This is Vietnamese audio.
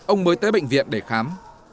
ông mới tới bệnh viện để khám